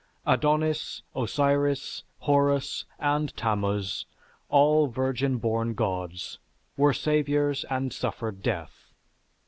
Adonis, Osiris, Horus, and Tammuz, all virgin born gods, were saviors and suffered death.